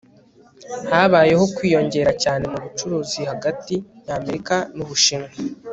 habayeho kwiyongera cyane mu bucuruzi hagati y'amerika n'ubushinwa